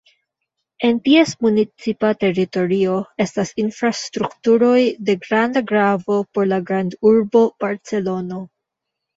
En ties municipa teritorio estas infrastrukturoj de granda gravo por la grandurbo Barcelono.